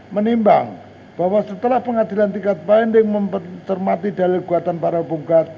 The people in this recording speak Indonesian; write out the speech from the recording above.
menimbang bahwa setelah pengadilan tingkat binding mempertermati dari gugatan para punggat